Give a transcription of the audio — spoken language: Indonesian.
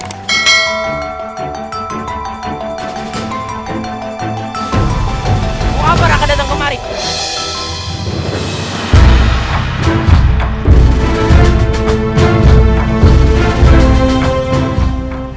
aku amarah akan datang kemarin